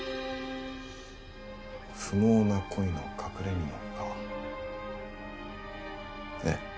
「不毛な恋の隠れみの」かええ